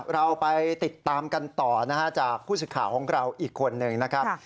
เราไปติดตามกันต่อนะฮะจากผู้สื่อข่าวของเราอีกคนนึงนะครับ